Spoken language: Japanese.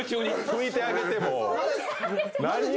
拭いてあげて。